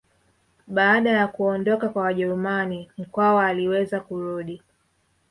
Baada ya kuondoka kwa Wajerumani Mkwawa aliweza kurudi